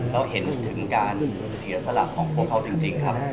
เราเห็นถึงการเสียสละของพวกเขาจริงครับ